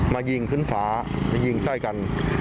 มายิ่งขึ้นฟ้ามายิ่งใกล้กัน